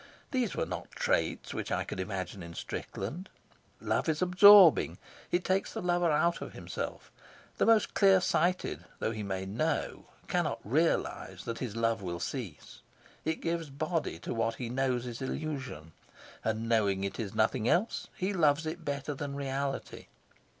These were not traits which I could imagine in Strickland. Love is absorbing; it takes the lover out of himself; the most clear sighted, though he may know, cannot realise that his love will cease; it gives body to what he knows is illusion, and, knowing it is nothing else, he loves it better than reality.